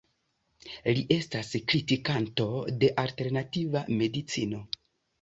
Li estas kritikanto de Alternativa medicino.